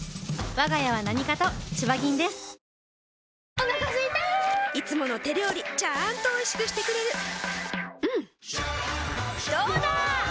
お腹すいたいつもの手料理ちゃんとおいしくしてくれるジューうんどうだわ！